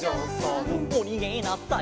「おにげなさい」